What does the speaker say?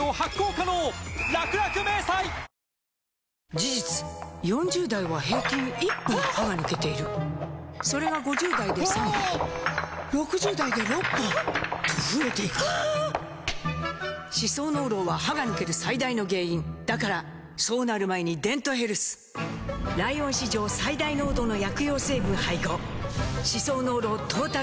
事実４０代は平均１本歯が抜けているそれが５０代で３本６０代で６本と増えていく歯槽膿漏は歯が抜ける最大の原因だからそうなる前に「デントヘルス」ライオン史上最大濃度の薬用成分配合歯槽膿漏トータルケア！